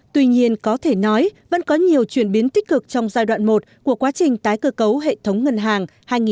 tuy nhiên có thể nói vẫn có nhiều chuyển biến tích cực trong giai đoạn một của quá trình tái cơ cấu hệ thống ngân hàng hai nghìn một mươi hai